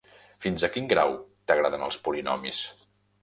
Fins a quin grau t'agraden els polinomis?